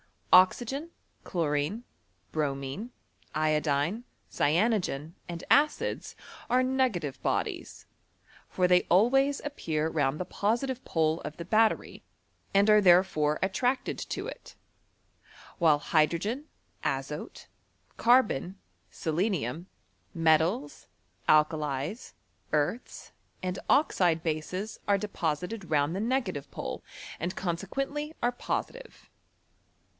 Oxygen, chlorine, bromine, iodine, cyanogen, and acids, are negative bodies ; for they always appear round the posid'f e pole of the battery, and are therefore at tracted to it: while hydrogen, azote, carbon, sele nium, metals, alkalies, earths, and oxide bases, are deposited round the negative pole, and conseqoendy oie positive.